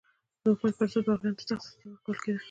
د حکومت پر ضد باغیانو ته سخته سزا ورکول کېده.